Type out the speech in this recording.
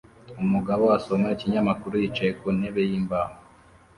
Umugabo asoma ikinyamakuru yicaye ku ntebe yimbaho